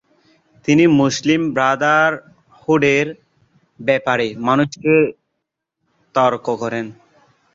তিনি মুসলিম ব্রাদারহুডের ব্যাপারে মানুষকে সতর্ক করেন।